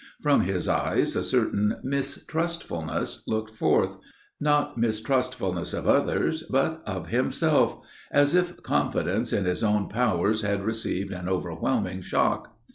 From his eyes a certain mistrustfulness looked forth, not mistrustfulness of others, but of himself, as if confidence in his own powers had received an overwhelming shock.